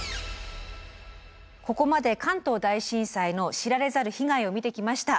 ここまで関東大震災の知られざる被害を見てきました。